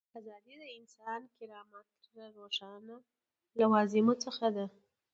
ازادي د انساني کرامت له روښانه لوازمو څخه ده.